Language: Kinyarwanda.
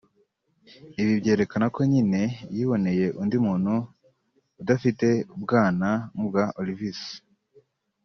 Ibi byerekana ko nyine yiboneye undi muntu udafite ubwana nk'ubwa Olvis